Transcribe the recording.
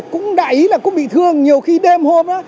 cũng đại ý là cũng bị thương nhiều khi đêm hôm đó